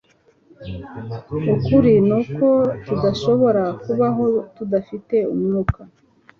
Ukuri nuko tudashobora kubaho tudafite umwuka.